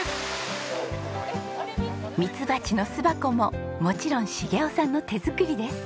蜜蜂の巣箱ももちろん茂一さんの手作りです。